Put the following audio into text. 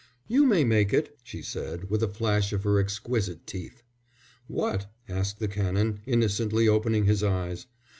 "You may make it," she said, with a flash of her exquisite teeth. "What?" asked the Canon, innocently opening his eyes.